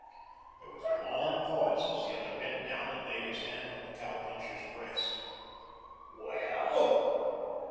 There was a long pause, as the other bent down and laid his hand on the cow puncher's breast. "Well?"